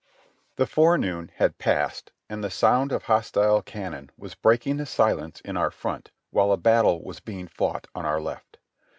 The forenoon had passed and the sound of hostile cannon was breaking the silence in our front while a battle was being fought on our left.